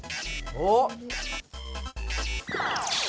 おっ？